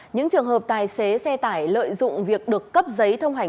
những trường hợp tài xế xe tải lợi dụng việc được cấp giấy thông hành